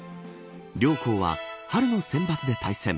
両校は春のセンバツで対戦。